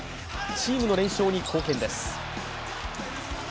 チームの連勝に貢献です。